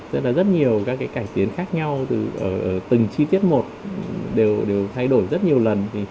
rất nhiều các cải tiến khác nhau từ từng chi tiết một đều thay đổi rất nhiều lần